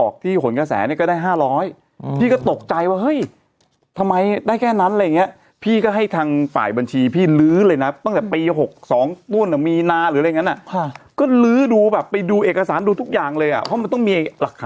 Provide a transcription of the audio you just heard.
ก็ร้องละงมอันนี้ดูดูนี่